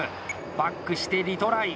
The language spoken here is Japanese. バックしてリトライ。